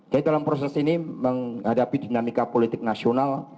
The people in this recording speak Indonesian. jadi dalam proses ini menghadapi dinamika politik nasional